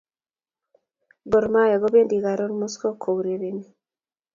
Gor mahia kopendi karun mosco ko urererni